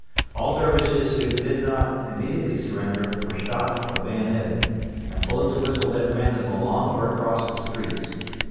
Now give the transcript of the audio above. All Dervishes who did not immediately surrender were shot or bayoneted, and bullets whistled at random along or across the streets.